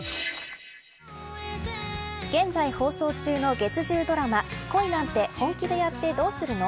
現在放送中の月１０ドラマ恋なんて、本気でやってどうするの？